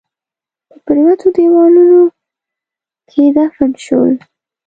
په پريوتو ديوالونو کښ دفن شول